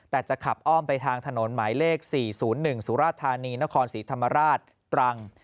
แต่จะขับอ้อมไปทางถนนหมายเลข๔๐๑สุราธานีนครศรีธรรมราชตรัง